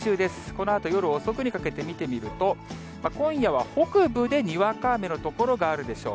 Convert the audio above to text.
このあと夜遅くにかけて見てみると、今夜は北部でにわか雨の所があるでしょう。